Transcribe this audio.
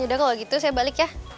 udah kalau gitu saya balik ya